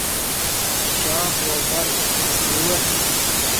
شاخوبرگ انبوه